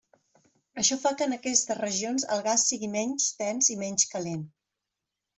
Això fa que en aquestes regions el gas sigui menys dens i menys calent.